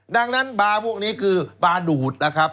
ดังนั้นบาร์พวกนี้คือบาดูดนะครับ